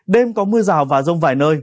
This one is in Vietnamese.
đêm có mưa rào và rông vài nơi